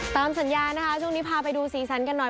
ตามสัญญานะคะช่วงนี้พาไปดูสีสันกันหน่อย